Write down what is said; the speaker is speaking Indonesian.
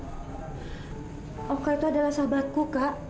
kakak itu adalah sahabatku kak